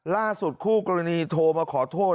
ล่าสุดคู่กรณีโทรมาขอโทษ